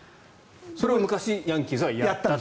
それを昔ヤンキースがやったと。